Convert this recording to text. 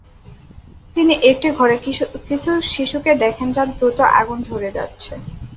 তিনি একটি ঘরে কিছু শিশুকে দেখেন যা দ্রুত আগুন ধরে যাচ্ছে।